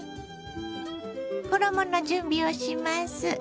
衣の準備をします。